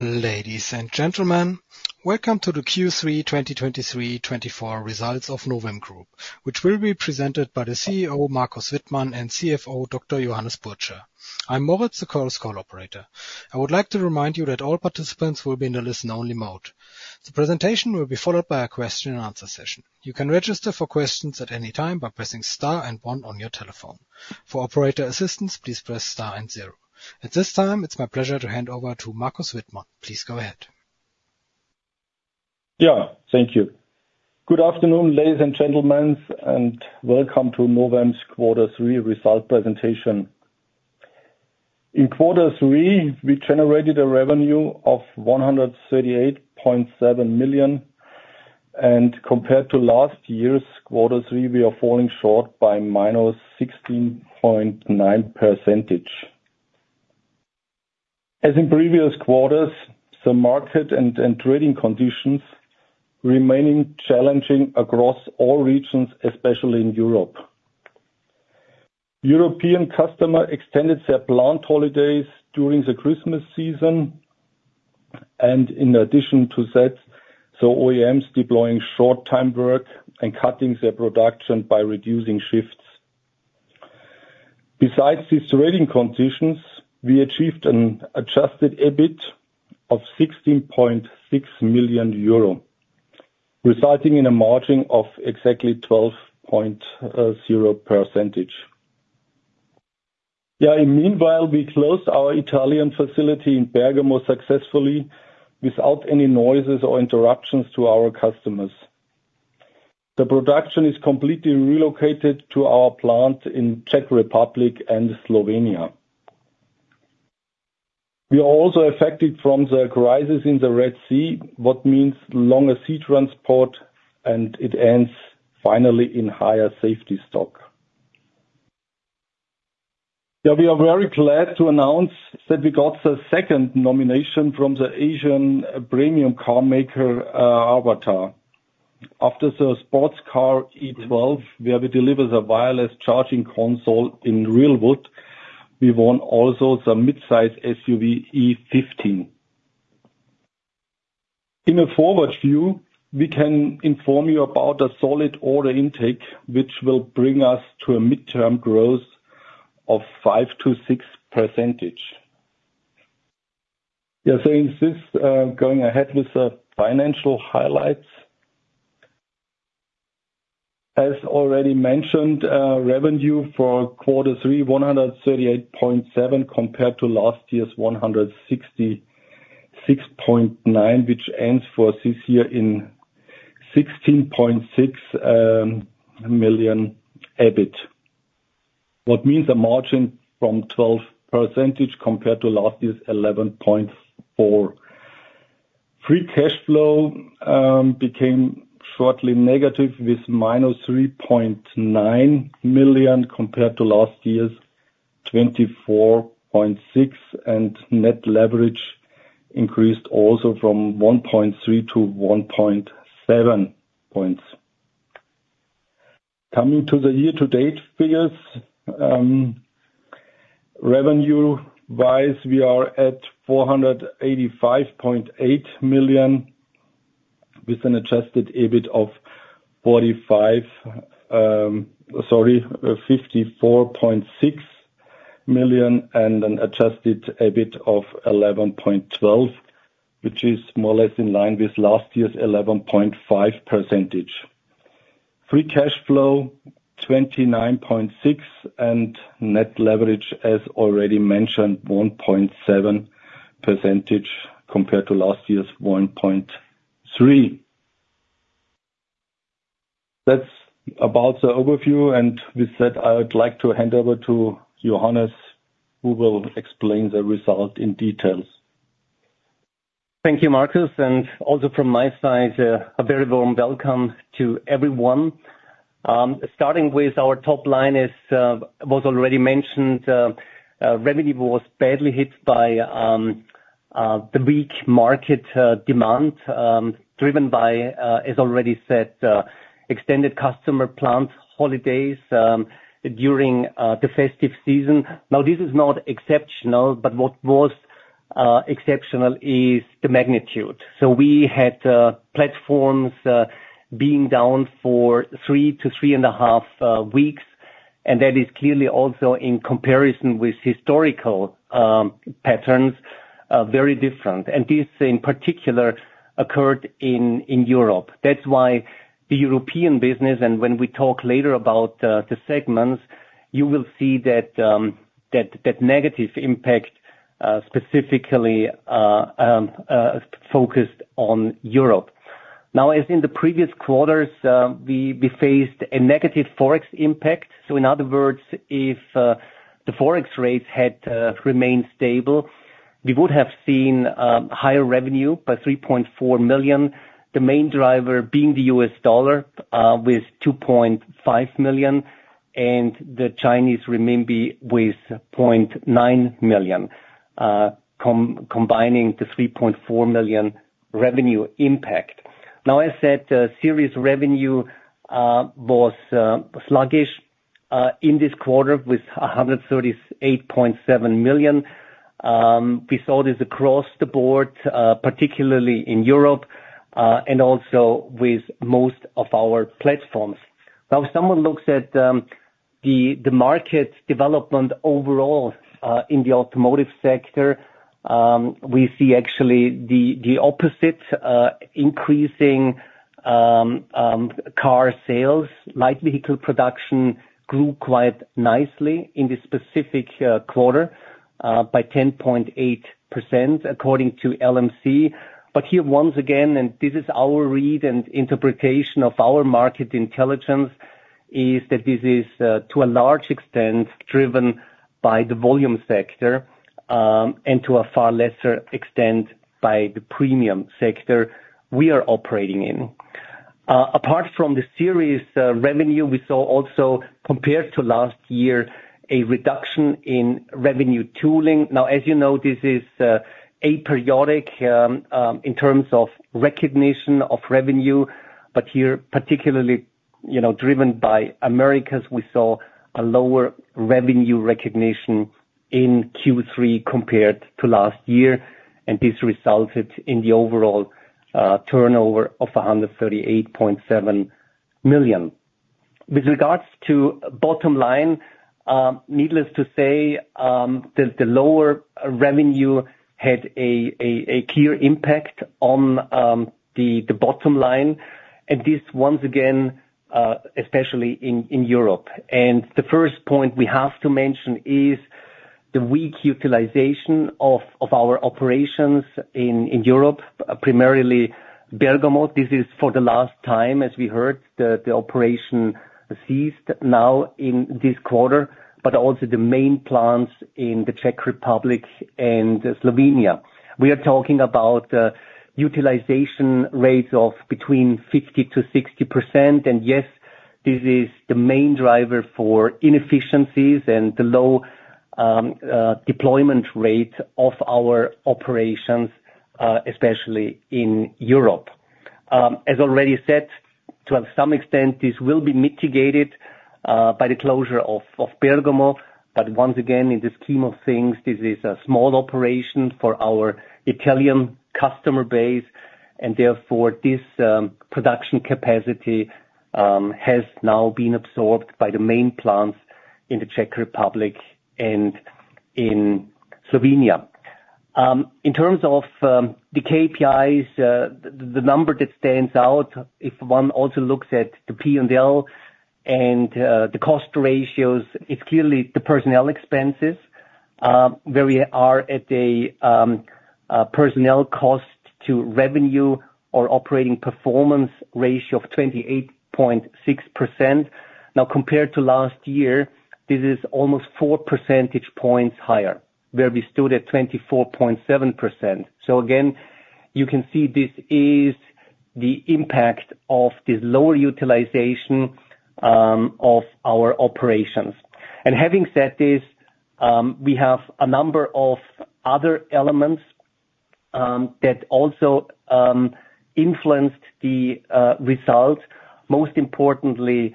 Ladies and gentlemen, welcome to the Q3 2023/24 results of Novem Group, which will be presented by the CEO, Markus Wittmann, and CFO, Dr. Johannes Burtscher. I'm Moritz, the call's call operator. I would like to remind you that all participants will be in a listen-only mode. The presentation will be followed by a question and answer session. You can register for questions at any time by pressing star and one on your telephone. For operator assistance, please press star and zero. At this time, it's my pleasure to hand over to Markus Wittmann. Please go ahead. Yeah, thank you. Good afternoon, ladies and gentlemen, and welcome to Novem's quarter three results presentation. In quarter three, we generated a revenue of 138.7 million, and compared to last year's quarter three, we are falling short by -16.9%. As in previous quarters, the market and trading conditions remaining challenging across all regions, especially in Europe. European customer extended their plant holidays during the Christmas season, and in addition to that, the OEMs deploying short time work and cutting their production by reducing shifts. Besides these trading conditions, we achieved an adjusted EBIT of 16.6 million euro, resulting in a margin of exactly 12.0%. Yeah, meanwhile, we closed our Italian facility in Bergamo successfully, without any noises or interruptions to our customers. The production is completely relocated to our plant in Czech Republic and Slovenia. We are also affected from the crisis in the Red Sea, what means longer sea transport, and it ends finally in higher safety stock. Now, we are very pleased to announce that we got the second nomination from the Asian premium car maker, AVATR. After the sports car E12, where we deliver the wireless charging console in real wood, we won also the mid-size SUV, E15. In a forward view, we can inform you about a solid order intake, which will bring us to a midterm growth of 5%-6%. Yeah, so in this, going ahead with the financial highlights. As already mentioned, revenue for quarter three, 138.7, compared to last year's 166.9, which ends for this year in 16.6 million EUR EBIT. What means a margin of 12% compared to last year's 11.4%. Free cash flow became shortly negative, with -3.9 million, compared to last year's 24.6 million EUR, and net leverage increased also from 1.3 to 1.7 points. Coming to the year-to-date figures, revenue-wise, we are at 485.8 million, with an adjusted EBIT of 54.6 million EUR and an adjusted EBIT of 11.12%, which is more or less in line with last year's 11.5%. Free cash flow, 29.6, and net leverage, as already mentioned, 1.7% compared to last year's 1.3%. That's about the overview, and with that, I would like to hand over to Johannes, who will explain the result in details. Thank you, Markus, and also from my side, a very warm welcome to everyone. Starting with our top line, as was already mentioned, revenue was badly hit by the weak market demand, driven by, as already said, extended customer plant holidays during the festive season. Now, this is not exceptional, but what was exceptional is the magnitude. So we had platforms being down for 3-3.5 weeks, and that is clearly also in comparison with historical patterns very different. And this, in particular, occurred in Europe. That's why the European business, and when we talk later about the segments, you will see that that negative impact specifically focused on Europe. Now, as in the previous quarters, we faced a negative Forex impact. So in other words, if the Forex rates had remained stable, we would have seen higher revenue by 3.4 million, the main driver being the US dollar with $2.5 million, and the Chinese renminbi with 0.9 million, combining the 3.4 million revenue impact. Now, as said, sales revenue was sluggish in this quarter, with 138.7 million. We saw this across the board, particularly in Europe, and also with most of our platforms. Now, if someone looks at the market development overall in the automotive sector, we see actually the opposite, increasing car sales. Light vehicle production grew quite nicely in this specific quarter by 10.8%, according to LMC. But here, once again, and this is our read and interpretation of our market intelligence, is that this is to a large extent driven by the volume sector and to a far lesser extent by the premium sector we are operating in. Apart from the series revenue, we saw also, compared to last year, a reduction in revenue tooling. Now, as you know, this is aperiodic in terms of recognition of revenue, but here, particularly, you know, driven by Americas, we saw a lower revenue recognition in Q3 compared to last year, and this resulted in the overall turnover of 138.7 million. With regards to bottom line, needless to say, the lower revenue had a clear impact on the bottom line, and this once again, especially in Europe. The first point we have to mention is the weak utilization of our operations in Europe, primarily Bergamo. This is for the last time, as we heard, the operation ceased now in this quarter, but also the main plants in the Czech Republic and Slovenia. We are talking about utilization rates of between 50%-60%. Yes, this is the main driver for inefficiencies and the low deployment rate of our operations, especially in Europe. As already said, to some extent, this will be mitigated by the closure of Bergamo, but once again, in the scheme of things, this is a small operation for our Italian customer base, and therefore, this production capacity has now been absorbed by the main plants in the Czech Republic and in Slovenia. In terms of the KPIs, the number that stands out, if one also looks at the P&L and the cost ratios, it's clearly the personnel expenses, where we are at a personnel cost to revenue or operating performance ratio of 28.6%. Now, compared to last year, this is almost four percentage points higher, where we stood at 24.7%. So again, you can see this is the impact of this lower utilization of our operations. Having said this, we have a number of other elements that also influenced the results, most importantly,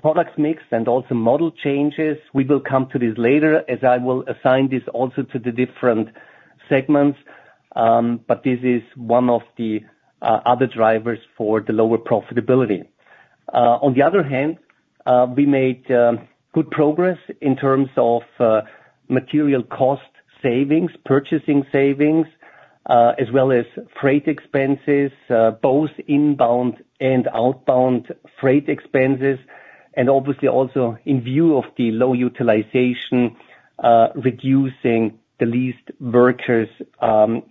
products mix and also model changes. We will come to this later, as I will assign this also to the different segments, but this is one of the other drivers for the lower profitability. On the other hand, we made good progress in terms of material cost savings, purchasing savings, as well as freight expenses, both inbound and outbound freight expenses, and obviously, also, in view of the low utilization, reducing the leased workers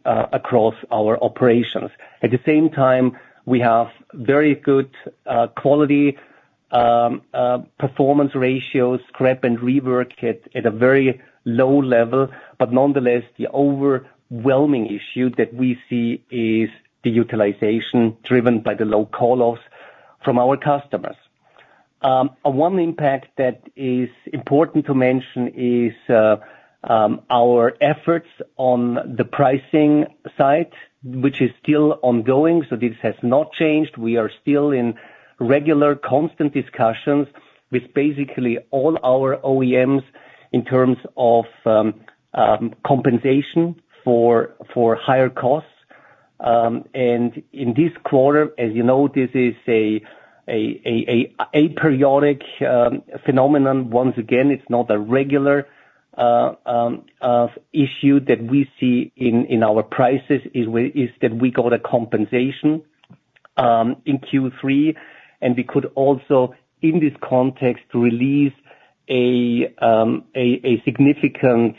across our operations. At the same time, we have very good quality performance ratios, scrap and rework at a very low level. Nonetheless, the overwhelming issue that we see is the utilization, driven by the low call-offs from our customers. One impact that is important to mention is our efforts on the pricing side, which is still ongoing, so this has not changed. We are still in regular, constant discussions with basically all our OEMs in terms of compensation for higher costs. And in this quarter, as you know, this is an aperiodic phenomenon. Once again, it's not a regular issue that we see in our prices; it is that we got a compensation in Q3, and we could also, in this context, release a significant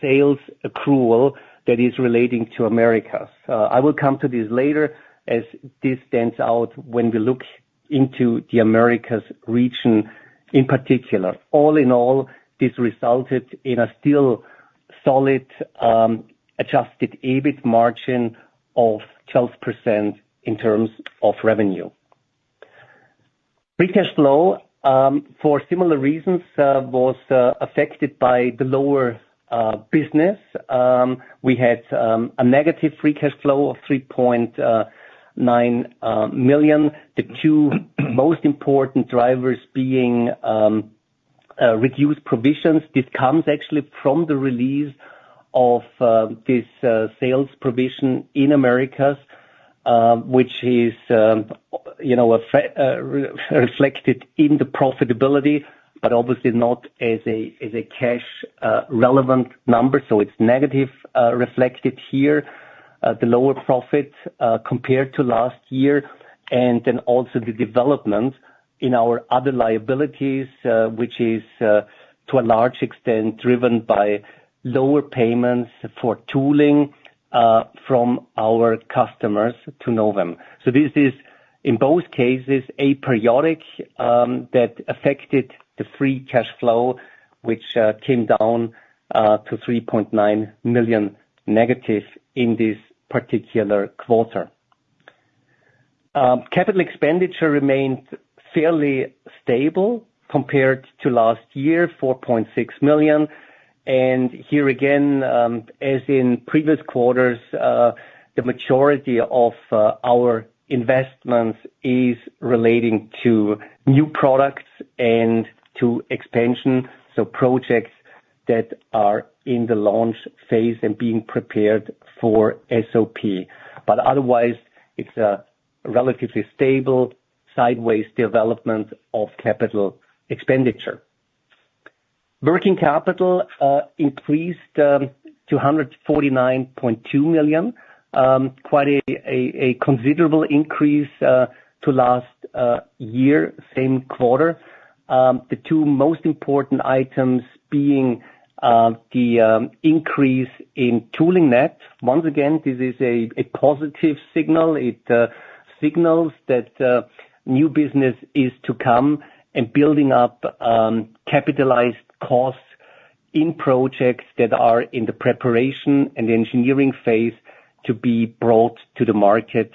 sales accrual that is relating to Americas. I will come to this later, as this stands out when we look into the Americas region in particular. All in all, this resulted in a still solid adjusted EBIT margin of 12% in terms of revenue. Free cash flow, for similar reasons, was affected by the lower business. We had a negative free cash flow of 3.39 million. The two most important drivers being reduced provisions. This comes actually from the release of this sales provision in Americas, which is, you know, reflected in the profitability, but obviously not as a cash relevant number, so it's negative reflected here. The lower profit, compared to last year, and then also the development in our other liabilities, which is, to a large extent, driven by lower payments for tooling, from our customers to Novem. So this is, in both cases, aperiodic, that affected the free cash flow, which came down to -3.9 million in this particular quarter. Capital expenditure remained fairly stable compared to last year, 4.6 million, and here again, as in previous quarters, the majority of our investments is relating to new products and to expansion, so projects that are in the launch phase and being prepared for SOP. But otherwise, it's a relatively stable sideways development of capital expenditure. Working capital increased to 149.2 million. Quite a considerable increase to last year, same quarter. The two most important items being the increase in tooling net. Once again, this is a positive signal. It signals that new business is to come and building up capitalized costs in projects that are in the preparation and engineering phase to be brought to the market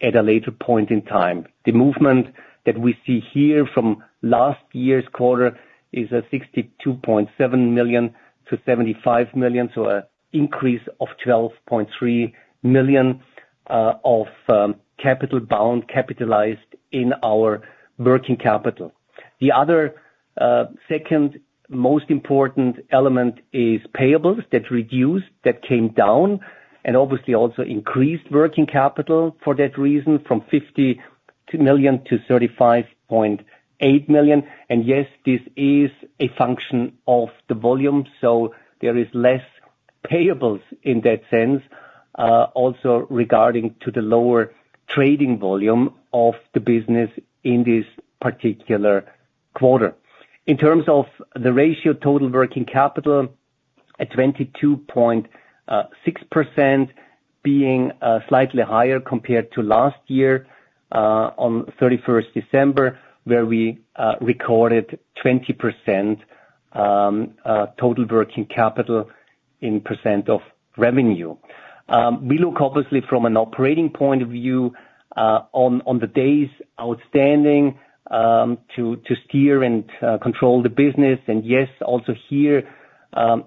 at a later point in time. The movement that we see here from last year's quarter is from 62.7 million to 75 million, so a increase of 12.3 million of capitalized in our working capital. The other second most important element is payables that reduced, that came down, and obviously also increased working capital for that reason, from 50 million to 35.8 million. And yes, this is a function of the volume, so there is less payables in that sense, also regarding to the lower trading volume of the business in this particular quarter. In terms of the ratio, total working capital at 22.6% being slightly higher compared to last year on December 31, where we recorded 20% total working capital in % of revenue. We look obviously from an operating point of view on the days outstanding to steer and control the business. And yes, also here,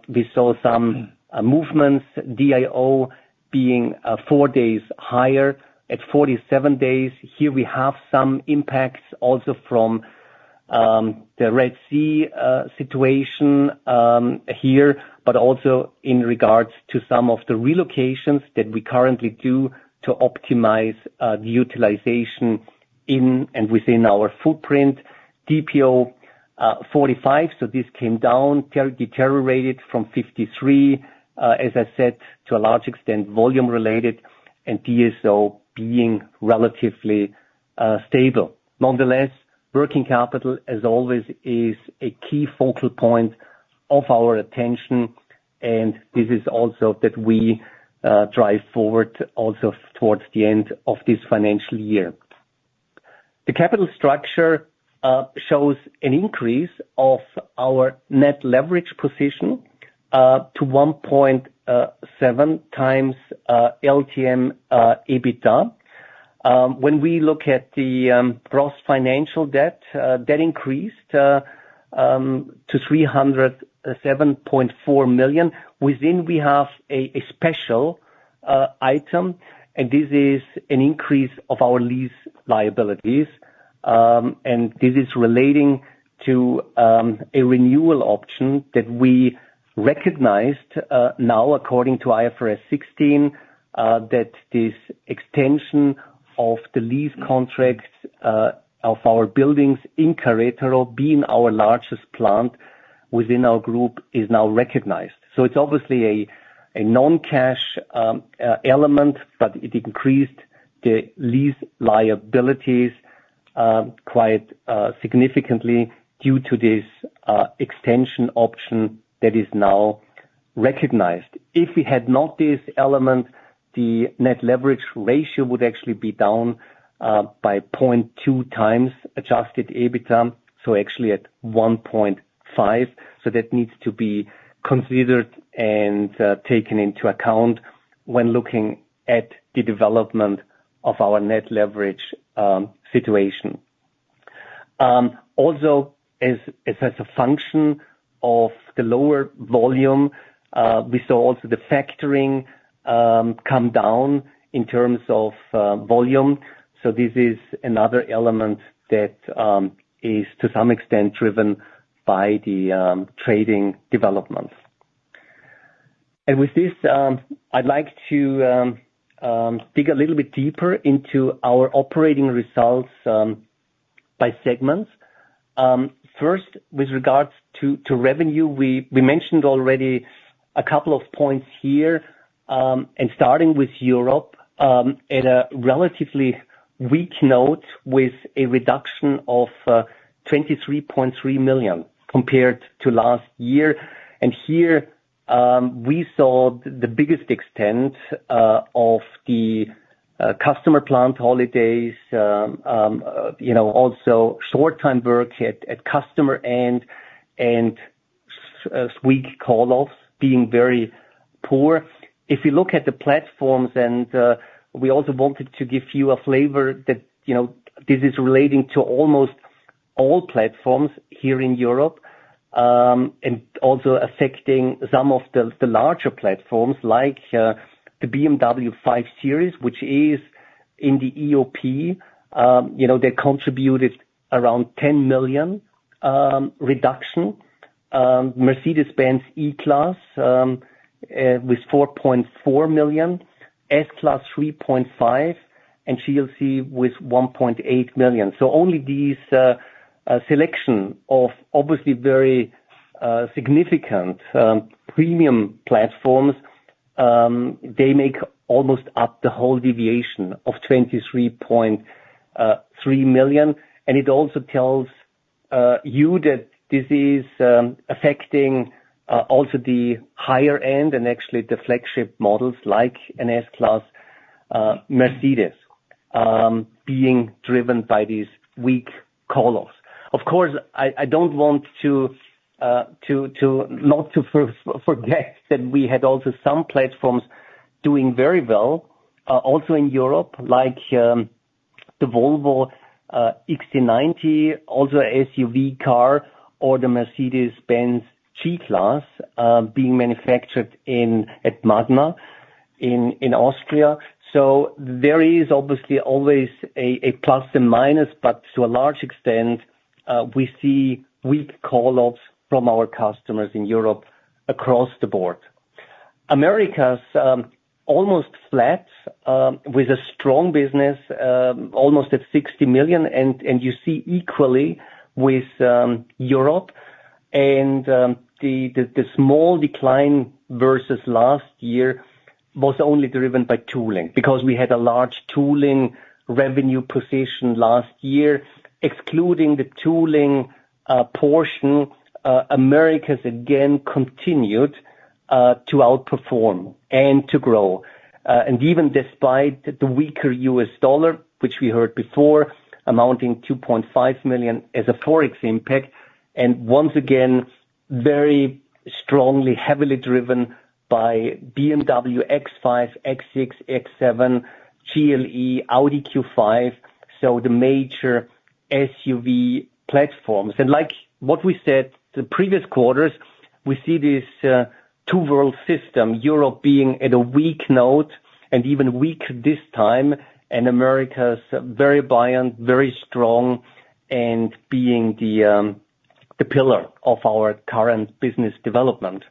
we saw some movements, DIO being 4 days higher at 47 days. Here we have some impacts also from the Red Sea situation here, but also in regards to some of the relocations that we currently do to optimize the utilization in and within our footprint. DPO 45, so this came down, deteriorated from 53, as I said, to a large extent, volume related, and DSO being relatively stable. Nonetheless, working capital, as always, is a key focal point of our attention, and this is also that we drive forward also towards the end of this financial year. The capital structure shows an increase of our net leverage position to 1.7x LTM EBITDA. When we look at the gross financial debt that increased to 307.4 million. Within we have a special item, and this is an increase of our lease liabilities, and this is relating to a renewal option that we recognized now, according to IFRS 16, that this extension of the lease contracts of our buildings in Querétaro, being our largest plant within our group, is now recognized. So it's obviously a non-cash element, but it increased the lease liabilities quite significantly due to this extension option that is now recognized. If we had not this element, the net leverage ratio would actually be down by 0.2 times adjusted EBITDA, so actually at 1.5. So that needs to be considered and taken into account when looking at the development of our net leverage situation. Also as a function of the lower volume, we saw also the factoring come down in terms of volume. So this is another element that is to some extent driven by the trading development. And with this, I'd like to dig a little bit deeper into our operating results by segments. First, with regards to revenue, we mentioned already a couple of points here, and starting with Europe at a relatively weak note with a reduction of 23.3 million compared to last year. And here we saw the biggest extent of the customer plant holidays, you know, also short-time work at customer end, and weak call-offs being very poor. If you look at the platforms and, we also wanted to give you a flavor that, you know, this is relating to almost all platforms here in Europe. And also affecting some of the larger platforms like, the BMW 5 Series, which is in the EOP. You know, they contributed around 10 million reduction, Mercedes-Benz E-Class, with 4.4 million, S-Class, 3.5 million, and GLC with 1.8 million. So only these selection of obviously very significant premium platforms, they make almost up the whole deviation of 23.3 million. And it also tells you that this is affecting also the higher end and actually the flagship models, like an S-Class Mercedes, being driven by these weak call-offs. Of course, I don't want to not forget that we had also some platforms doing very well, also in Europe, like, the Volvo XC90, also SUV car, or the Mercedes-Benz G-Class, being manufactured at Magna, in Austria. So there is obviously always a plus and minus, but to a large extent, we see weak call-offs from our customers in Europe across the board. Americas, almost flat, with a strong business, almost at 60 million, and you see equally with Europe. The small decline versus last year was only driven by tooling, because we had a large tooling revenue position last year. Excluding the tooling portion, Americas, again, continued to outperform and to grow. Even despite the weaker U.S. dollar, which we heard before, amounting 2.5 million as a Forex impact, and once again, very strongly, heavily driven by BMW X5, X6, X7, GLE, Audi Q5, so the major SUV platforms. Like what we said the previous quarters, we see this, two-world system, Europe being at a weak note and even weaker this time, and America's very buoyant, very strong, and being the pillar of our current business development.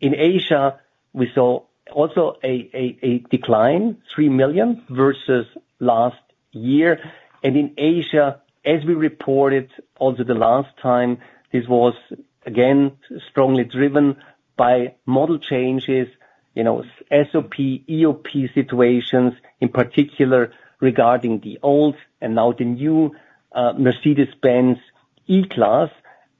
In Asia, we saw also a decline, 3 million, versus last year. In Asia, as we reported also the last time, this was, again, strongly driven by model changes, you know, SOP, EOP situations, in particular regarding the old and now the new Mercedes-Benz E-Class,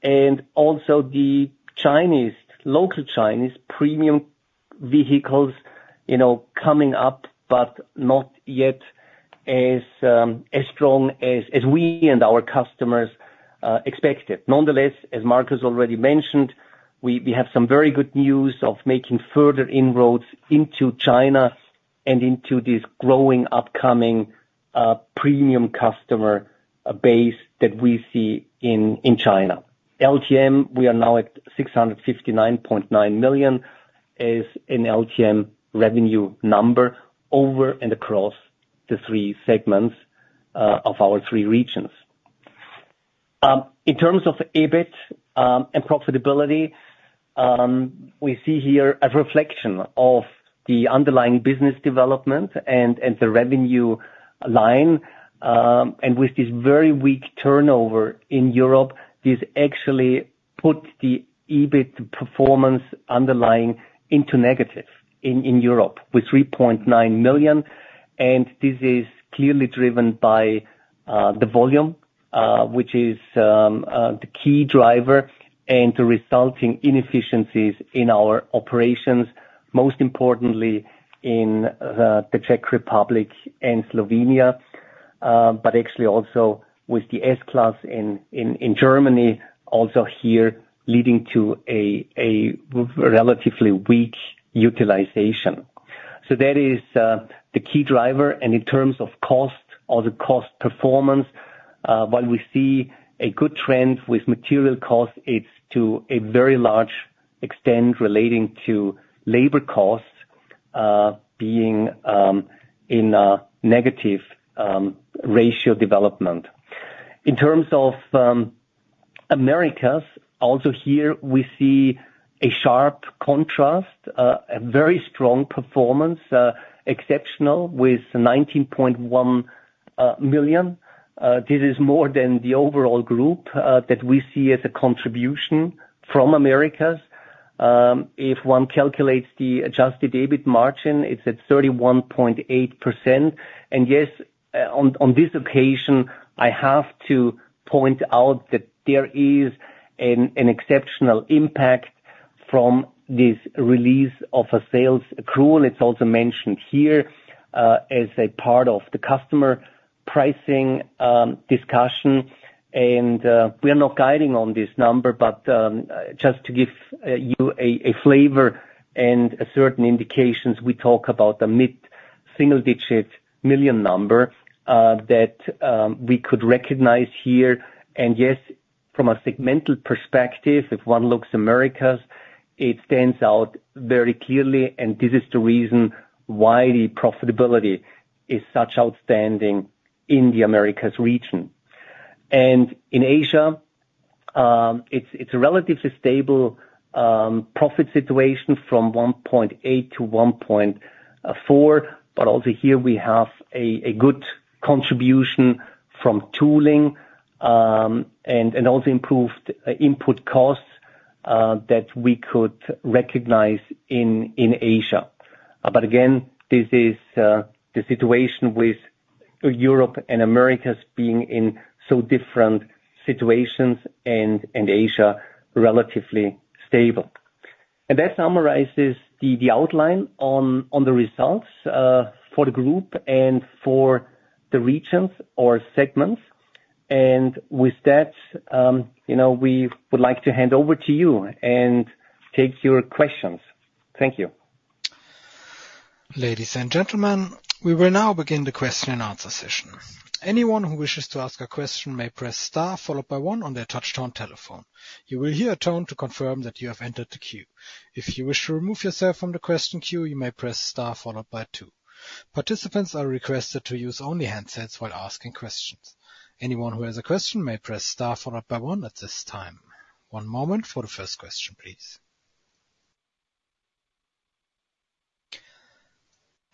and also the Chinese, local Chinese premium vehicles, you know, coming up, but not yet as, as strong as, as we and our customers expected. Nonetheless, as Markus already mentioned, we, we have some very good news of making further inroads into China and into this growing, upcoming premium customer base that we see in, in China. LTM, we are now at 659.9 million, is an LTM revenue number over and across the three segments of our three regions. In terms of EBIT and profitability, we see here a reflection of the underlying business development and, and the revenue line. With this very weak turnover in Europe, this actually puts the EBIT performance underlying into negative in Europe, with 3.9 million. And this is clearly driven by the volume, which is the key driver and the resulting inefficiencies in our operations, most importantly in the Czech Republic and Slovenia, but actually also with the S-Class in Germany, also here leading to a relatively weak utilization. So that is the key driver, and in terms of cost or the cost performance, while we see a good trend with material costs, it's to a very large extent relating to labor costs being in a negative ratio development. In terms of Americas, also here, we see a sharp contrast, a very strong performance, exceptional with 19.1 million. This is more than the overall group that we see as a contribution from Americas. If one calculates the adjusted EBIT margin, it's at 31.8%. And yes, on this occasion, I have to point out that there is an exceptional impact from this release of a sales accrual. It's also mentioned here, as a part of the customer pricing discussion. We are not guiding on this number, but just to give you a flavor and certain indications, we talk about the mid-single-digit million EUR number that we could recognize here. And yes, from a segmental perspective, if one looks Americas, it stands out very clearly, and this is the reason why the profitability is such outstanding in the Americas region. And in Asia, it's a relatively stable profit situation from 1.8 to 1.4, but also here we have a good contribution from tooling, and also improved input costs that we could recognize in Asia. But again, this is the situation with Europe and Americas being in so different situations and Asia, relatively stable. And that summarizes the outline on the results for the group and for the regions or segments. And with that, you know, we would like to hand over to you and take your questions. Thank you. Ladies and gentlemen, we will now begin the question and answer session. Anyone who wishes to ask a question may press star, followed by one on their touchtone telephone. You will hear a tone to confirm that you have entered the queue. If you wish to remove yourself from the question queue, you may press star followed by two. Participants are requested to use only handsets while asking questions. Anyone who has a question may press star followed by one at this time. One moment for the first question, please.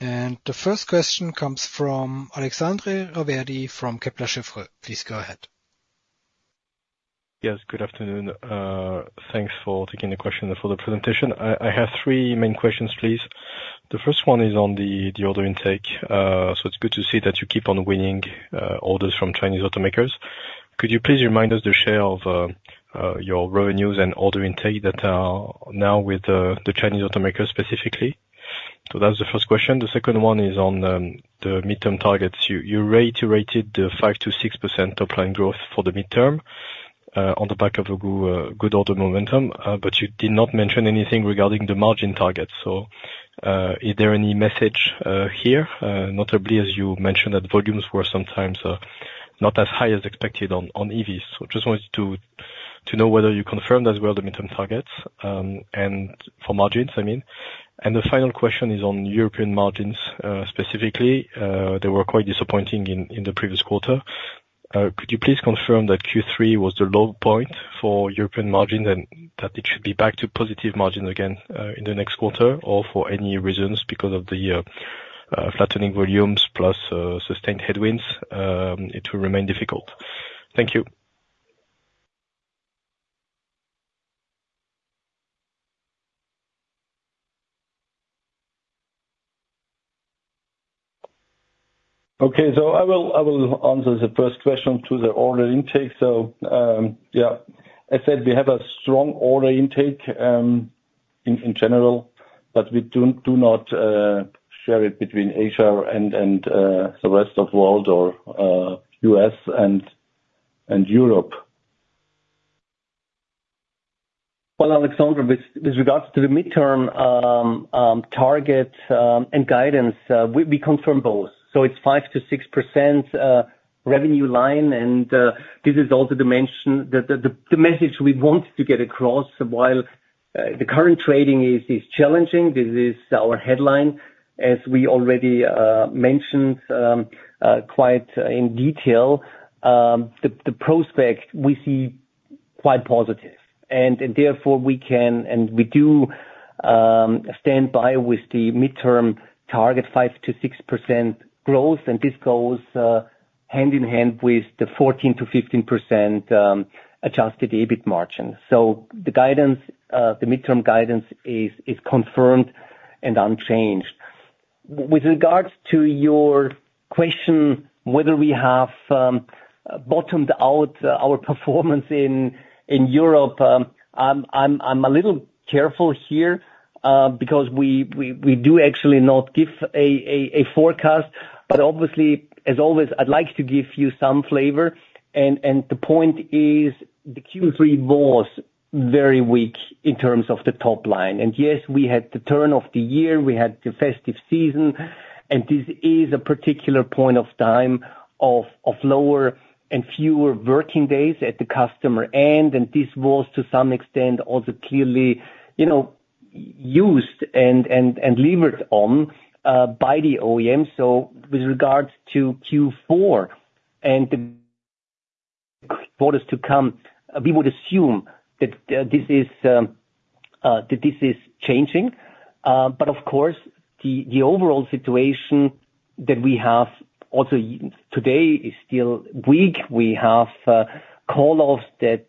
The first question comes from Alexandre Raverdy from Kepler Cheuvreux. Please go ahead. Yes, good afternoon. Thanks for taking the question and for the presentation. I have three main questions, please. The first one is on the order intake. So it's good to see that you keep on winning orders from Chinese automakers. Could you please remind us the share of your revenues and order intake that are now with the Chinese automakers specifically? So that's the first question. The second one is on the midterm targets. You reiterated the 5%-6% top-line growth for the midterm, on the back of a good order momentum, but you did not mention anything regarding the margin target. So, is there any message here, notably, as you mentioned, that volumes were sometimes not as high as expected on EVs? So just wanted to know whether you confirmed as well, the midterm targets, and for margins, I mean. The final question is on European margins, specifically, they were quite disappointing in the previous quarter. Could you please confirm that Q3 was the low point for European margin, and that it should be back to positive margin again, in the next quarter? Or for any reasons, because of the flattening volumes plus sustained headwinds, it will remain difficult. Thank you. Okay. So I will answer the first question to the order intake. So, I said we have a strong order intake in general, but we do not share it between Asia and the rest of world or US and Europe. Well, Alexandre, with regards to the midterm target and guidance, we confirm both. So it's 5%-6% revenue line, and this is also the message we want to get across, while the current trading is challenging, this is our headline, as we already mentioned quite in detail. The prospect we see quite positive, and therefore we can and we do stand by with the midterm target, 5%-6% growth, and this goes hand in hand with the 14%-15% Adjusted EBIT margin. So the guidance, the midterm guidance is confirmed and unchanged. With regards to your question, whether we have bottomed out our performance in Europe, I'm a little careful here, because we do actually not give a forecast. But obviously, as always, I'd like to give you some flavor, and the point is, the Q3 was very weak in terms of the top line. And yes, we had the turn of the year, we had the festive season, and this is a particular point of time of lower and fewer working days at the customer end, and this was to some extent also clearly, you know, used and levered on by the OEM. So with regards to Q4 and the quarters to come, we would assume that this is changing. But of course, the overall situation that we have also today is still weak. We have call-offs that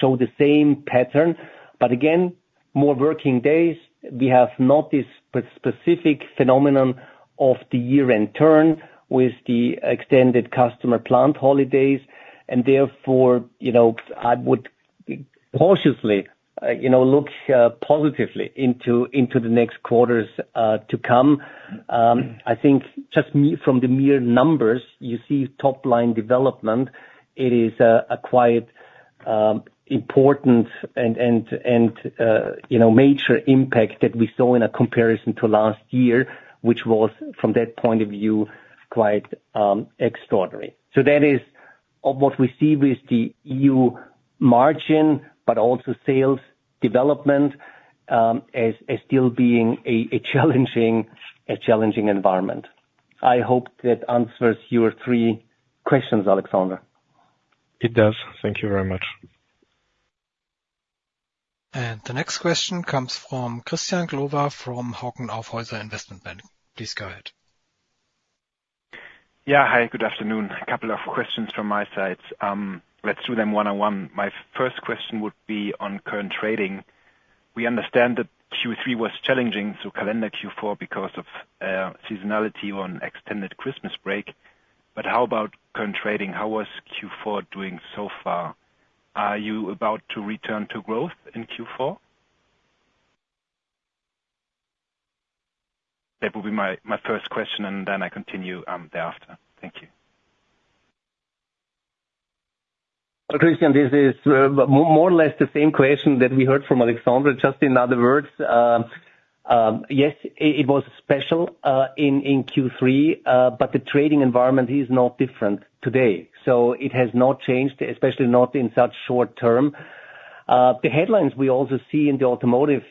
show the same pattern, but again, more working days. We have not this specific phenomenon of the year-end turn with the extended customer plant holidays, and therefore, you know, I would cautiously, you know, look positively into the next quarters to come. I think just from the mere numbers, you see top line development, it is a quite important and major impact that we saw in a comparison to last year, which was, from that point of view, quite extraordinary. So that is of what we see with the EBIT margin, but also sales development as still being a challenging environment. I hope that answers your three questions, Alexandre. It does. Thank you very much. The next question comes from Christian Glowa from Hauck & Aufhäuser investment bank. Please go ahead. Yeah, hi, good afternoon. A couple of questions from my side. Let's do them one on one. My first question would be on current trading. We understand that Q3 was challenging to calendar Q4 because of seasonality on extended Christmas break. But how about current trading? How was Q4 doing so far? Are you about to return to growth in Q4? That would be my first question, and then I continue thereafter. Thank you. Well, Christian, this is more or less the same question that we heard from Alexandre, just in other words. Yes, it was special in Q3, but the trading environment is not different today. So it has not changed, especially not in such short term. The headlines we also see in the automotive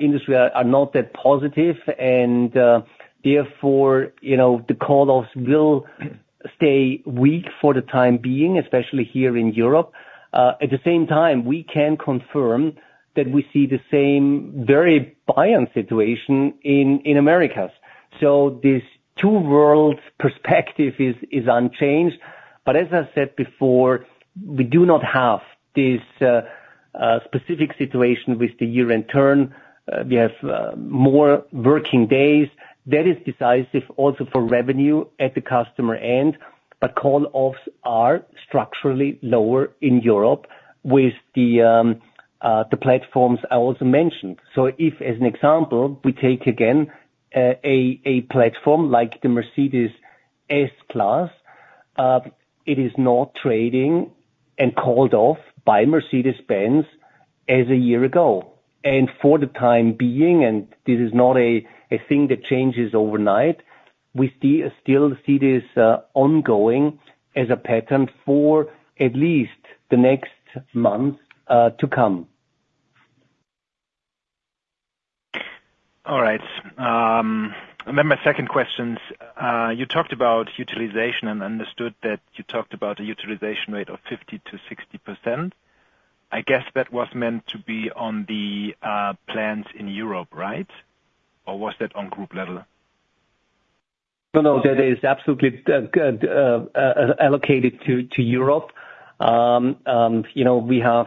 industry are not that positive, and therefore, you know, the call-offs will stay weak for the time being, especially here in Europe. At the same time, we can confirm that we see the same very buy-in situation in Americas. So this two worlds perspective is unchanged. But as I said before, we do not have this specific situation with the year-end turn. We have more working days. That is decisive also for revenue at the customer end, but call-offs are structurally lower in Europe with the platforms I also mentioned. So if, as an example, we take again a platform like the Mercedes S-Class, it is not trading and called off by Mercedes-Benz as a year ago. And for the time being, and this is not a thing that changes overnight, we see, still see this ongoing as a pattern for at least the next month to come. All right. And then my second question, you talked about utilization and understood that you talked about a utilization rate of 50%-60%. I guess that was meant to be on the plants in Europe, right? Or was that on group level? No, no, that is absolutely allocated to Europe. You know, we have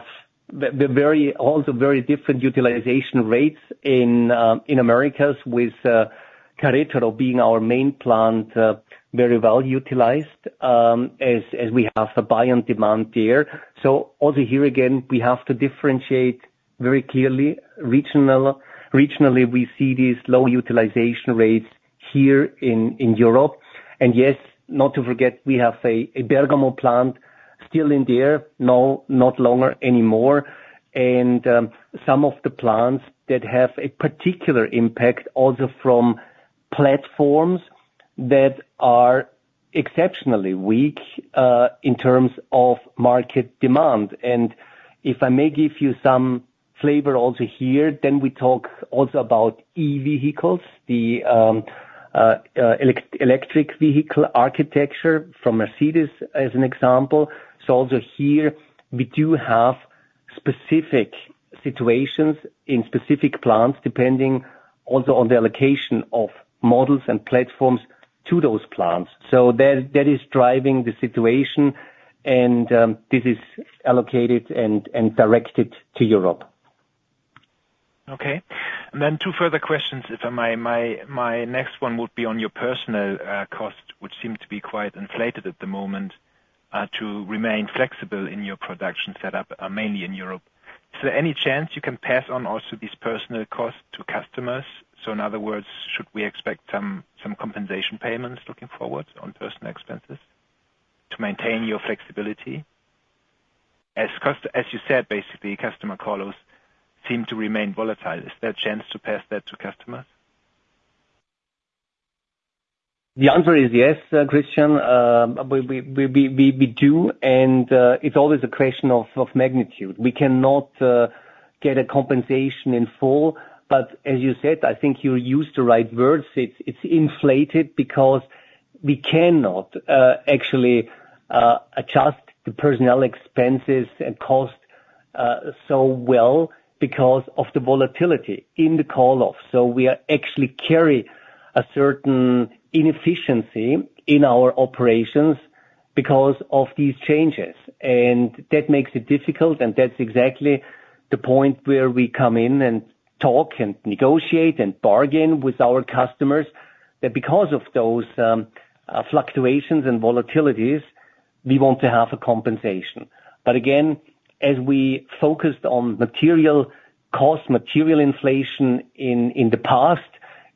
the very also very different utilization rates in Americas with Querétaro being our main plant, very well utilized, as we have the buy-on demand there. So also here, again, we have to differentiate very clearly, regionally we see these low utilization rates here in Europe. And yes, not to forget, we have a Bergamo plant still in there, no, not longer anymore. And some of the plants that have a particular impact, also from platforms that are exceptionally weak in terms of market demand. And if I may give you some flavor also here, then we talk also about e-vehicles, the electric vehicle architecture from Mercedes, as an example. So also here, we do have specific situations in specific plants, depending also on the allocation of models and platforms to those plants. So that is driving the situation, and this is allocated and directed to Europe. Okay. And then two further questions, if I may. My, my next one would be on your personal cost, which seem to be quite inflated at the moment... to remain flexible in your production set up, mainly in Europe. Is there any chance you can pass on also these personal costs to customers? So in other words, should we expect some compensation payments looking forward on personal expenses, to maintain your flexibility? As cost, as you said, basically, customer call-offs seem to remain volatile. Is there a chance to pass that to customers? The answer is yes, Christian. We do, and it's always a question of magnitude. We cannot get a compensation in full, but as you said, I think you used the right words. It's inflated because we cannot actually adjust the personnel expenses and cost so well because of the volatility in the call-off. So we are actually carry a certain inefficiency in our operations because of these changes, and that makes it difficult, and that's exactly the point where we come in and talk and negotiate and bargain with our customers. That because of those fluctuations and volatilities, we want to have a compensation. But again, as we focused on material cost, material inflation in the past,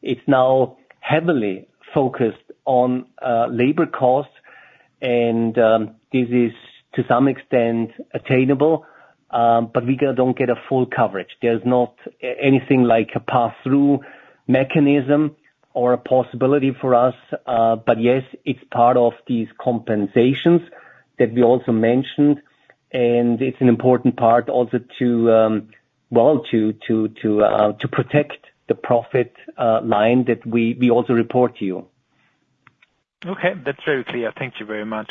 it's now heavily focused on labor costs and this is to some extent attainable. But we gonna don't get a full coverage. There's not anything like a pass-through mechanism or a possibility for us. But yes, it's part of these compensations that we also mentioned, and it's an important part also to protect the profit line that we also report to you. Okay. That's very clear. Thank you very much.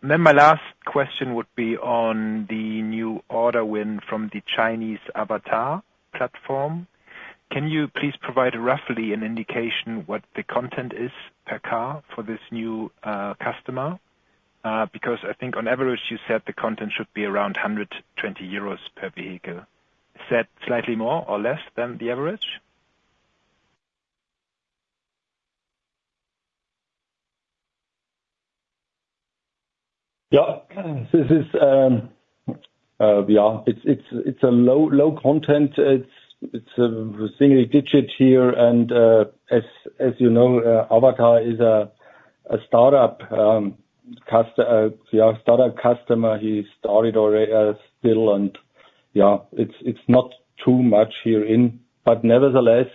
My last question would be on the new order win from the Chinese AVATR platform. Can you please provide roughly an indication what the content is per car for this new, customer? Because I think on average, you said the content should be around 120 euros per vehicle. Is that slightly more or less than the average? Yeah. This is... It's a low content. It's a single digit here and, as you know, AVATR is a startup customer. He started already, still and, yeah, it's not too much herein, but nevertheless,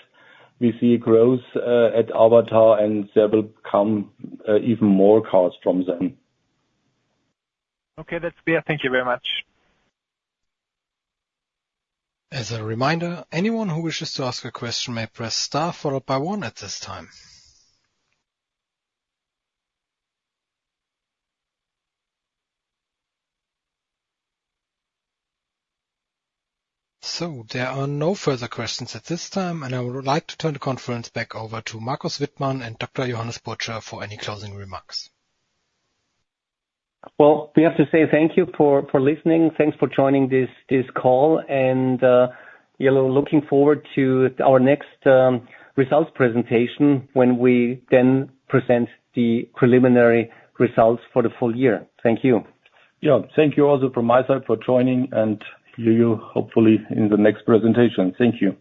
we see growth at AVATR, and there will come even more cars from them. Okay, that's clear. Thank you very much. As a reminder, anyone who wishes to ask a question may press star followed by one at this time. So there are no further questions at this time, and I would like to turn the conference back over to Markus Wittmann and Dr. Johannes Burtscher for any closing remarks. Well, we have to say thank you for listening. Thanks for joining this call, and we are looking forward to our next results presentation, when we then present the preliminary results for the full year. Thank you. Yeah. Thank you also from my side for joining, and see you hopefully in the next presentation. Thank you.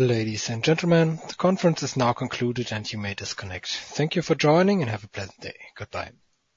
Ladies and gentlemen, the conference is now concluded, and you may disconnect. Thank you for joining, and have a pleasant day. Goodbye.